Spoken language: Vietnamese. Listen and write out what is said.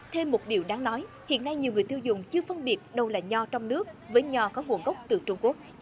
thêm một điều đáng nói hiện nay nhiều người tiêu dùng chưa phân biệt đâu là nho trong nước với nho có nguồn gốc từ trung quốc